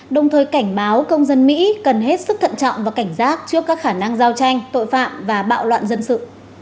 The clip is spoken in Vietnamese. đồng thời cảnh báo công dân mỹ cần hết sức thận trọng và cảnh giác trước các khả năng giao tranh tội phạm và bạo loạn dân sự